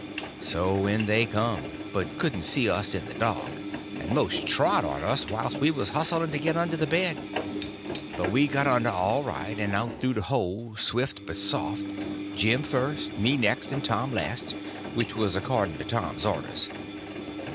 So in they come, but couldn't see us in the dark, and most trod on us whilst we was hustling to get under the bed. But we got under all right, and out through the hole, swift but soft—Jim first, me next, and Tom last, which was according to Tom's orders.